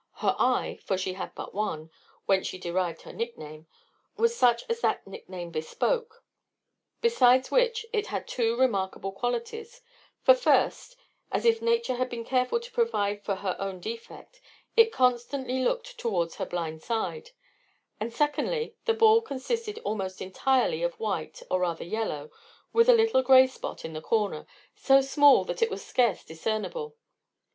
Her eye (for she had but one), whence she derived her nickname, was such as that nickname bespoke; besides which, it had two remarkable qualities; for first, as if Nature had been careful to provide for her own defect, it constantly looked towards her blind side; and secondly, the ball consisted almost entirely of white, or rather yellow, with a little grey spot in the corner, so small that it was scarce discernible.